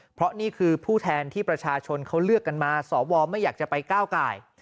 เพราะนี่คือผู้แทนที่ประชาชนเขาเลือกกันมาสวไม่อยากจะไปก้าวไก่